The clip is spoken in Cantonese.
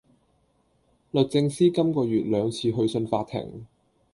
律政司今個月兩次去信法庭